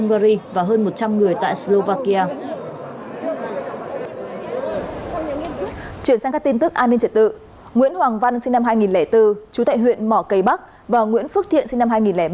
nguyễn hoàng văn sinh năm hai nghìn bốn chú tại huyện mỏ cây bắc và nguyễn phước thiện sinh năm hai nghìn ba